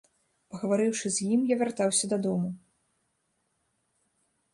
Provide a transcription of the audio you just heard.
Пагаварыўшы з ім, я вяртаўся дадому.